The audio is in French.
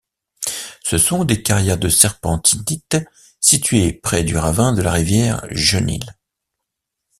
Ce sont des carrières de serpentinite située près du ravin de la rivière Genil.